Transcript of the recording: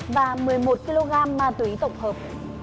và một mươi một kg ma túy tổng hợp